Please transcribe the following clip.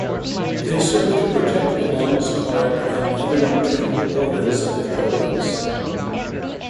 They serve to protect the lungs, heart, and other internal organs of the thorax.